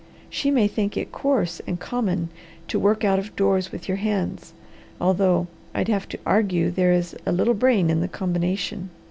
She may think it coarse and common to work out of doors with your hands, although I'd have to argue there is a little brain in the combination.